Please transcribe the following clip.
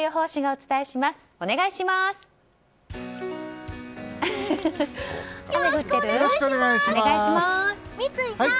お願いします。